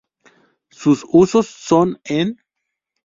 Sus usos son en